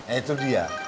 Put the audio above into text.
ya itu dia